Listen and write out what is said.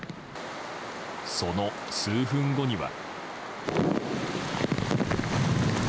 その数分後には。